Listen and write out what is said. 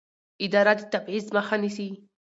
اداره د تبعیض مخه نیسي.